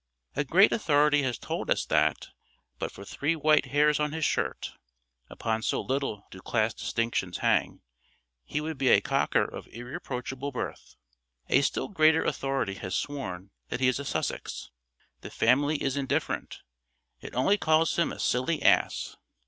A great authority has told us that, but for three white hairs on his shirt (upon so little do class distinctions hang), he would be a Cocker of irreproachable birth. A still greater authority has sworn that he is a Sussex. The family is indifferent it only calls him a Silly Ass.